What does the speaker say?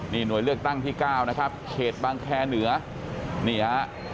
นี่หน่วยเลือกตั้งที่๙นะครับเขตบางแคร์เหนือนี่ฮะ